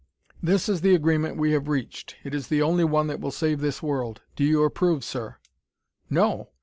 "This is the agreement we have reached; it is the only one that will save this world. Do you approve, sir?" "No!